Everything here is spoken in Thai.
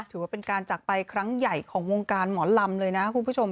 ถือว่าเป็นการจักรไปครั้งใหญ่ของวงการหมอลำเลยนะคุณผู้ชม